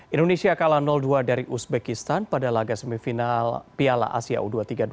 indonesia kalah dua dari uzbekistan pada laga semifinal piala asia u dua puluh tiga dua ribu dua puluh